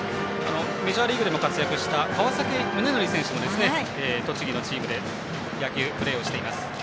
メジャーリーグでも活躍した川崎宗則選手も栃木のチームでプレーしています。